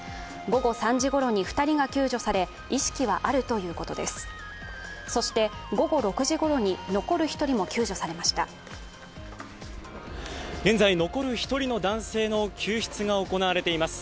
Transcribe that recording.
午後３時ごろに２人が救助され、意識はあるということです。